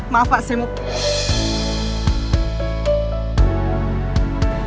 maaf pak saya mau pergi